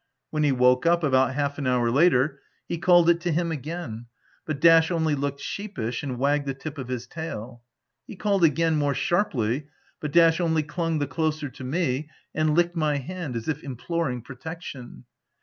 When he woke up, about half an hour after, he called it to him again ; but Dash only looked sheepish and wagged the tip of his tail. He called again, more sharply, but Dash only clung the closer to me, and licked my hand as if implo ring protection.